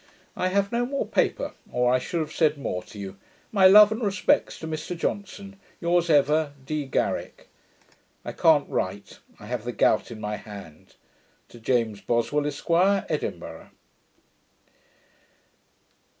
I have no more paper, or I should have said more to you. My love and respects to Mr Johnson. Yours ever, D. GARRICK. I can't write. I have the gout in my hand. To James Boswell, Esq., Edinburgh.